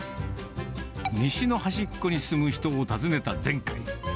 西の端っこに住む人を訪ねた前回。